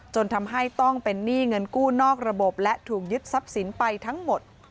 จนทำให้ต้องเป็นหนี้เงินกู้นอกระบบและถูกยึดทรัพย์สินไปทั้งหมด